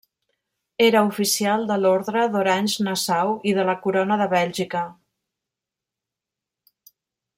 Era oficial de l'Ordre d'Orange-Nassau i de la Corona de Bèlgica.